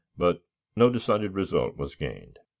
but no decided result was gained.